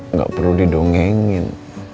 nggak perlu didongengin